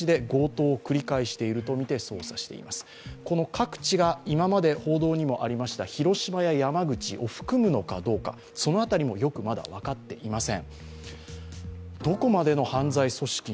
各地が今まで報道にもありました広島や山口を含むのかどうか、その辺りもまだよく分かっていません。